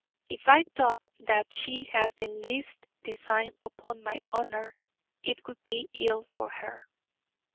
If I thought that she has the least design upon my honour, it would be ill for her.